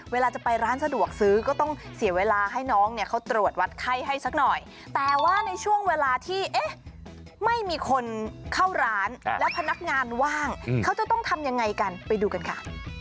เวลาจะไปร้านสะดวกซื้อก็ต้องเสียเวลาให้น้องเนี่ยเขาตรวจวัดไข้ให้สักหน่อยแต่ว่าในช่วงเวลาที่เอ๊ะไม่มีคนเข้าร้านแล้วพนักงานว่างเขาจะต้องทำยังไงกันไปดูกันค่ะ